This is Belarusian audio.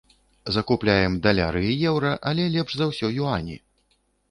Закупляем даляры і еўра, але лепш за ўсё юані.